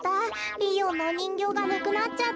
ピーヨンのおにんぎょうがなくなっちゃって。